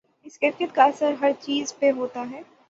اس کیفیت کا اثر ہر چیز پہ ہوتا ہے۔